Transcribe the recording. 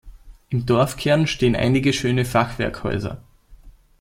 Im Dorfkern stehen einige schöne Fachwerkhäuser.